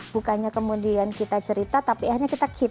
bukannya kemudian kita cerita tapi akhirnya kita keep